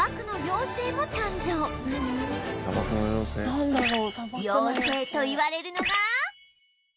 妖精といわれるのが